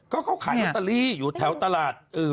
ก็เขาขายเงินตลอดอยู่แถวตลาดอือ